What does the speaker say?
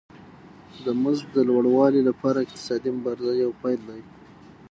د مزد د لوړوالي لپاره اقتصادي مبارزه یو پیل دی